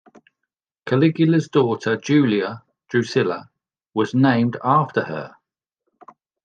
Caligula's daughter, Julia Drusilla was named after her.